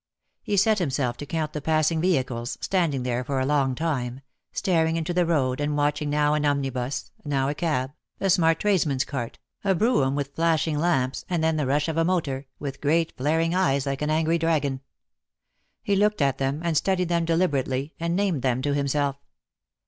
He set himself to count the passing vehicles, standing there for a long time, staring into the road, and watching now an omnibus, now a cab, a smart tradesman's cart, a brougham with flashing lamps, and then the rush of a motor, with great flaring eyes like an angry dragon. He looked at them, and studied them deliberately, and named them to himself.